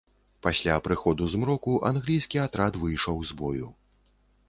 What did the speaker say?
Пасля прыходу змроку англійскі атрад выйшаў з бою.